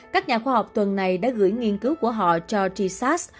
các nhà khoa học tuần này đã gửi nghiên cứu của họ cho t sas